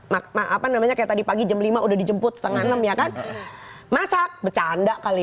makna apa namanya kayak tadi pagi jam lima udah dijemput setengah enam ya kan masak bercanda kali